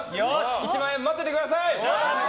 １万円、待っててください！